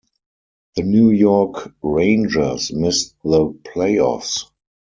The New York Rangers missed the playoffs.